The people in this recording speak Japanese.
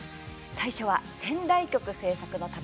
最初は、仙台局制作の旅